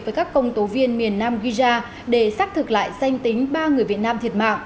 với các công tố viên miền nam ghija để xác thực lại danh tính ba người việt nam thiệt mạng